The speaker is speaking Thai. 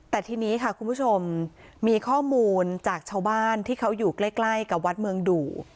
แต่ทีนี้ค่ะคุณผู้ชมมีข้อมูลจากชาวบ้านที่เขาอยู่ใกล้กับวัดเมืองดู